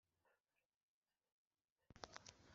babisubiyemo urugamba rwakaze